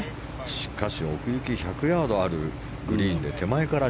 しかし、奥行きが１００ヤードあるグリーンで手前から１３。